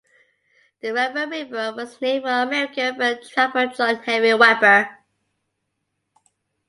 The Weber River was named for American fur trapper John Henry Weber.